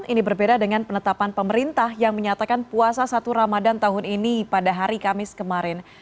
ini berbeda dengan penetapan pemerintah yang menyatakan puasa satu ramadan tahun ini pada hari kamis kemarin